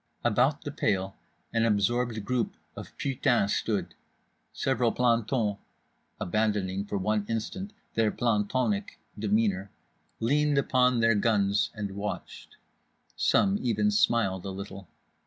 About the pail an absorbed group of putains stood. Several plantons (abandoning for one instant their plantonic demeanour) leaned upon their guns and watched. Some even smiled a little.